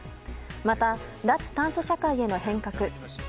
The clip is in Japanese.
また、脱炭素社会への変革